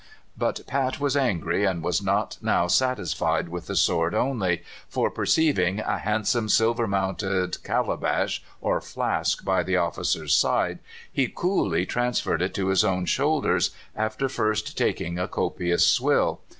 But Pat was angry, and was not now satisfied with the sword only, for, perceiving a handsome silver mounted calabash, or flask, by the officer's side, he coolly transferred it to his own shoulders, after first taking a copious swill.